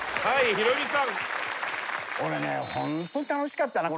ヒロミさん。